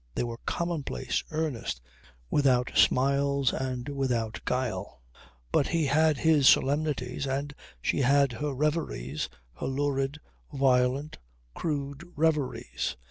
They were commonplace, earnest, without smiles and without guile. But he had his solemnities and she had her reveries, her lurid, violent, crude reveries.